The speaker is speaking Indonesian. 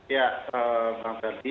ya bang ferry